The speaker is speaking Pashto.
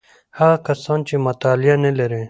هغه کسان چې مطالعه نلري: